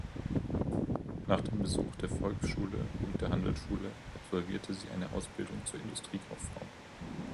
Nach dem Besuch der Volksschule und der Handelsschule absolvierte sie eine Ausbildung zur Industriekauffrau.